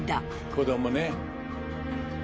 子どもね。